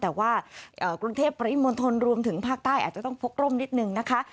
แต่ว่ากรุงเทพปริมณฑลรวมถึงภาคใต้อาจจะต้องพกร่มนิดนึงนะคะ